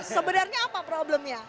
sebenarnya apa problemnya